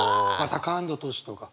タカアンドトシとか。